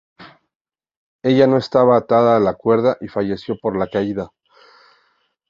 Ella no estaba atada a la cuerda y falleció por la caída.